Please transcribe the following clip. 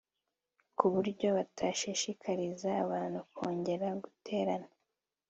ku buryo batashishikariza abantu kongera guterana